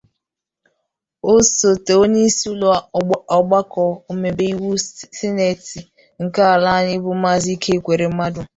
osote onyeisi ụlọ ọgbakọ omebe iwu sineeti nke ala anyị bụ maazị Ike Ekweremadu